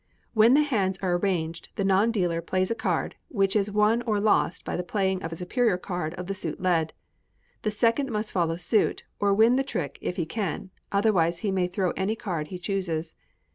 When the hands are arranged the non dealer plays a card, which is won or lost by the playing of a superior card of the suit led. The second must follow suit, or win the trick if he can; otherwise he may throw any card he chooses.